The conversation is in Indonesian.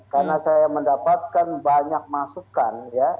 karena saya mendapatkan banyak masukan ya